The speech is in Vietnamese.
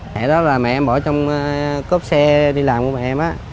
thẻ đó là mẹ em bỏ trong cốp xe đi làm của mẹ em á